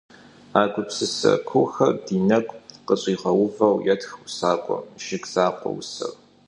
А гупсысэ куухэр ди нэгу къыщӀигъэувэу етх усакӀуэм, «Жыг закъуэ» усэр.